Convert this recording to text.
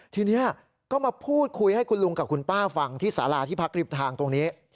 ทีนี้ก็มาพูดคุยให้คุณลุงกับคุณป้าฟังที่สาราที่พักริมทางตรงนี้